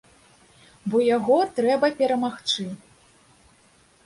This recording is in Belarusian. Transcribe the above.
Бо яго трэба перамагчы.